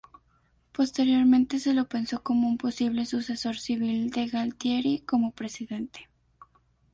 Posteriormente, se lo pensó como un posible sucesor civil de Galtieri como presidente.